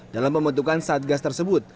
dalam pembentukan satgas tersebut